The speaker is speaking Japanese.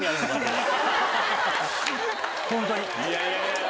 ホントに。